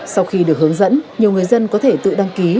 sau khi được hướng dẫn nhiều người dân có thể tự đăng ký